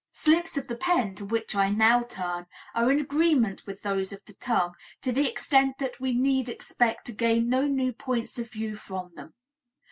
Slips of the pen, to which I now turn, are in agreement with those of the tongue to the extent that we need expect to gain no new points of view from them.